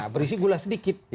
berisi gula sedikit